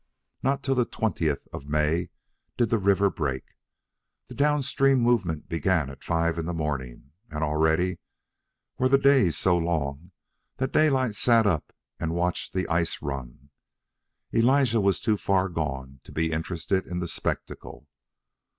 Not till the twentieth of May did the river break. The down stream movement began at five in the morning, and already were the days so long that Daylight sat up and watched the ice run. Elijah was too far gone to be interested in the spectacle.